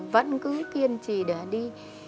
vẫn cứ kiên trì để đi